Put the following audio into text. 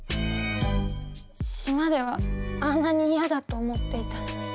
島ではあんなに嫌だと思っていたのに。